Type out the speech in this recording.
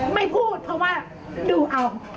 ไม่พูดเพราะว่าดูเอา